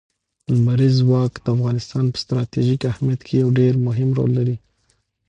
لمریز ځواک د افغانستان په ستراتیژیک اهمیت کې یو ډېر مهم رول لري.